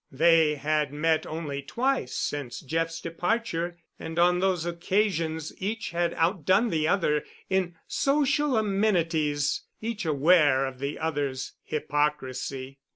They had met only twice since Jeff's departure, and on those occasions each had outdone the other in social amenities, each aware of the other's hypocrisy.